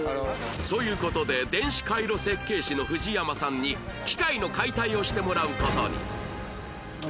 という事で電子回路設計士の藤山さんに機械の解体をしてもらう事に